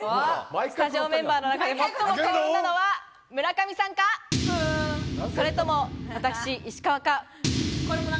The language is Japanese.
スタジオメンバーの中で最も幸運なのは村上さんか、それとも私、石川か。